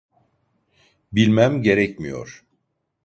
Bilmem gerekmiyor.